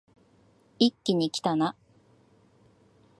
一気にきたな